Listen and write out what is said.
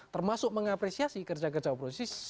termasuk mengapresiasi kerja kerja oposisi